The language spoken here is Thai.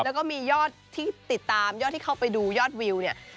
แล้วก็มียอดที่ติดตามยอดที่เข้าไปดูยอดวิวเนี่ย